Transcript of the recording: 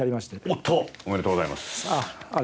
ありがとうございます。